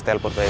mel pelos atau